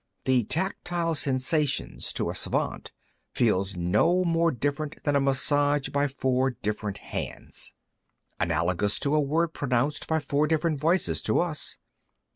The tactile sensations, to a Svant, feel no more different than a massage by four different hands. Analogous to a word pronounced by four different voices, to us.